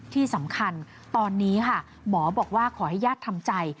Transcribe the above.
ที่สำคัญตอนนี้ค่ะหมอบอกว่าขอให้ญาติทำใจ